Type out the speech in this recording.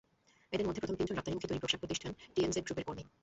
এঁদের মধ্যে প্রথম তিনজন রপ্তানিমুখী তৈরি পোশাক প্রতিষ্ঠান টিএনজেড গ্রুপের কর্মী।